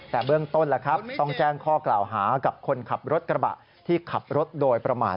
แต่เบื้องต้นต้องแจ้งข้อกล่าวหากับคนขับรถกระบะที่ขับรถโดยประมาท